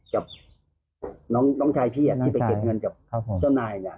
จับน้องชายพี่อ่ะขึ้นไปเก็บเงินจับเจ้านายเนี่ย